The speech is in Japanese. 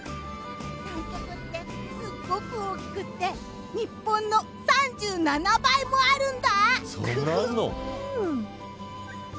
南極って、すっごく大きくて日本の３７倍もあるんだ。